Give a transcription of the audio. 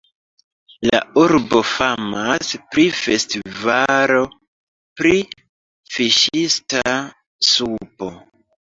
La urbo famas pri festivalo pri fiŝista supo.